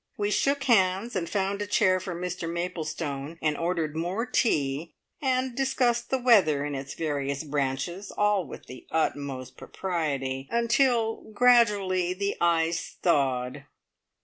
We shook hands, and found a chair for Mr Maplestone, and ordered more tea, and discussed the weather in its various branches, all with the utmost propriety, until gradually the ice thawed.